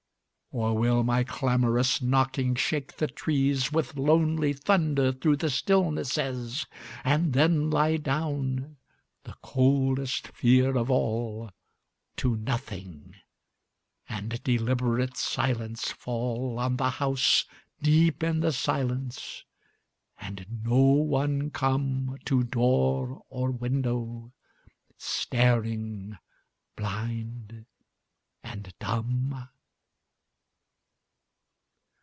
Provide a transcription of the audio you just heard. Or will my clamorous knocking shake the trees With lonely thunder through the stillnesses, And then lie down the coldest fear of all To nothing, and deliberate silence fall On the house deep in the silence, and no one come To door or window, staring blind and dumb?